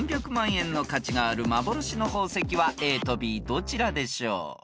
円の価値がある幻の宝石はＡとＢどちらでしょう？］